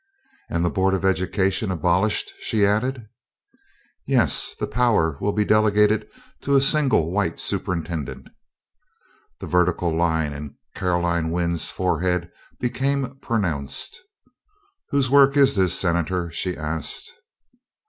"And the Board of Education abolished?" she added. "Yes. The power will be delegated to a single white superintendent." The vertical line in Caroline Wynn's forehead became pronounced. "Whose work is this, Senator?" she asked.